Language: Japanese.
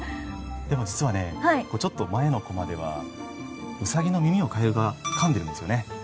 でも実はねちょっと前のコマでは兎の耳を蛙が噛んでるんですよね。